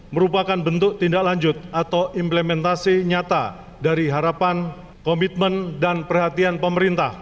merupakan bentuk tindak lanjut atau implementasi nyata dari harapan komitmen dan perhatian pemerintah